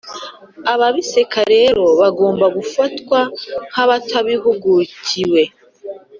Ababiseka rero bagomba gufatwa nk’abatabihugukiwe